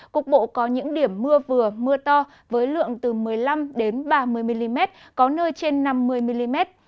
cục bộ có những điểm mưa vừa mưa to với lượng từ một mươi năm ba mươi mm có nơi trên năm mươi mm